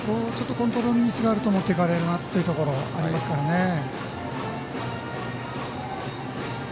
コントロールミスがあるともってかれるなというところありますからね。